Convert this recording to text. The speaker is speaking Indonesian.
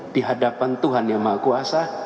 di hadapan tuhan yang maha kuasa